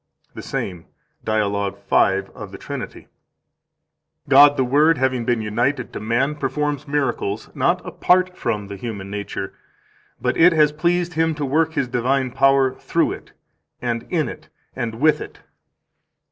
148 The same, Dialog 5, Of the Trinity (t. 2, op. f. 257): "God the Word, having been united to man, performs miracles, not apart from the human nature, but it has pleased Him to work His divine power through it and in it and with it."